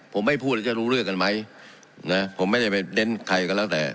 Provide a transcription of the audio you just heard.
ผมไม่พูดแล้วจะรู้เรื่องกันไหมนะผมไม่ได้ไปเน้นใครก็แล้วแต่